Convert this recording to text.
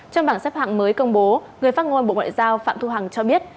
trong bảng xếp hạng mới công bố người phát ngôn bộ ngoại giao phạm thu hằng cho biết